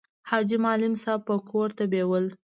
حاجي معلم صاحب به کور ته بېول.